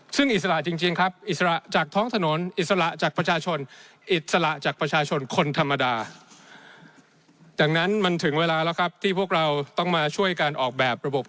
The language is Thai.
ซึ่งพี่เอิ้นจริงครับภาษา